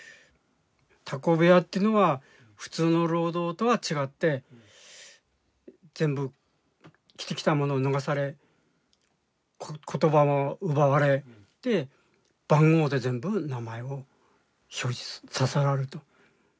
タコ部屋というのは普通の労働とは違って全部着てきたものを脱がされ言葉も奪われて番号で全部名前を表示させられると。